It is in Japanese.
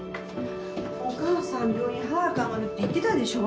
お母さん病院早く上がるって言ってたでしょ？